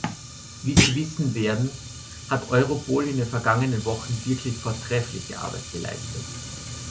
Wie Sie wissen werden, hat Europol in den vergangenen Wochen wirklich vortreffliche Arbeit geleistet.